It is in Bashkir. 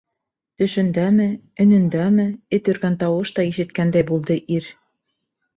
Төшөндәме, өнөндәме эт өргән тауыш та ишеткәндәй булды ир.